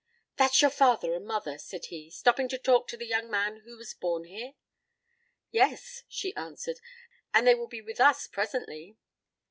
"That's your father and mother," said he, "stopping to talk to the young man who was born here?" "Yes," she answered, "and they will be with us presently."